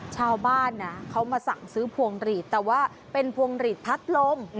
ชาวบ้านนะเขามาสั่งซื้อพวงหลีดแต่ว่าเป็นพวงหลีดพัดลม